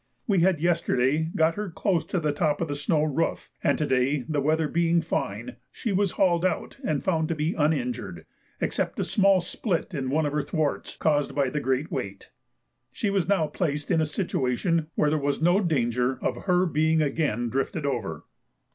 We had yesterday got her close to the top of the snow roof, and to day the weather being fine she was hauled out and found to be uninjured, except a small split in one of her thwarts caused by the great weight. She was now placed in a situation where there was no danger of her being again drifted over.